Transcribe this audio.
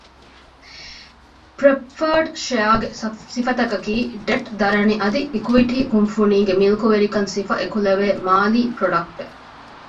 ޕްރެފަރޑް ޝެއަރގެ ސިފަތަކަކީ ޑެޓް ދަރަނި އަދި އިކުއިޓީ ކުންފުނީގެ މިލްކުވެރިކަން ސިފަ އެކުލެވޭ މާލީ ޕްރޮޑަކްޓެއް